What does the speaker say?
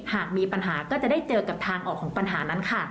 หากมีปัญหาก็จะได้เจอกับทางออกของปัญหานั้นค่ะ